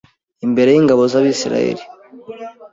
imbere y’ingabo z’Abisirayeli